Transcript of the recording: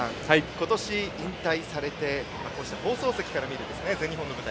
今年、引退されて放送席から見る全日本の舞台。